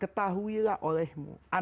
ketahuilah oleh manusia